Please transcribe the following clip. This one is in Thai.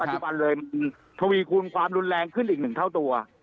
จุบันเลยทวีคูณความรุนแรงขึ้นอีก๑เท่าตัว